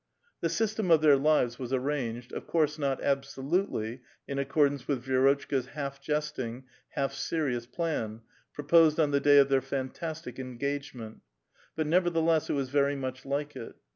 The system of their lives was arranged, of course not absolutely in accordance with Vi^rotchka's half jesting, half serious plan proposed on the day of their fantastic engagement, but nevertheless it was very much like it.